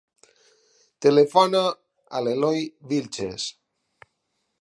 Telefona a l'Eloi Vilches.